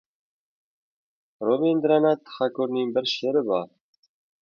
Robindranat Thakurning bir she’ri bor.